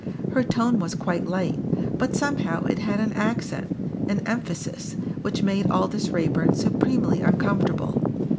Her tone was quite light, but somehow it had an accent, an emphasis, which made Aldous Raeburn supremely uncomfortable.